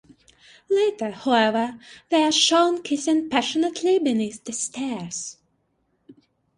Later, however, they are shown kissing passionately beneath the stairs.